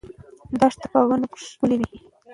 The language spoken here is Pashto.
دښته په وینو ښکلې سوه.